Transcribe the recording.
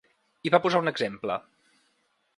I va posar un exemple.